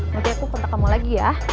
nanti aku kontak kamu lagi ya